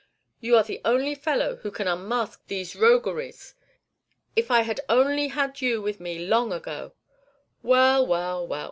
you are the only fellow who can unmask these rogueries. If I had only had you with me long ago! Well! well! well!